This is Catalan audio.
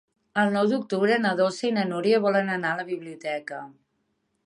El nou d'octubre na Dolça i na Núria volen anar a la biblioteca.